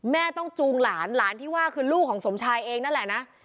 แม่ต้องจูงหลานหลานที่ว่าคือลูกของสมชายเองนั่นแหละนะ